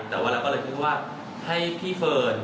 แต่ว่าเราก็เลยคิดว่าให้พี่เฟิร์น